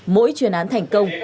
mỗi chuyên án thành công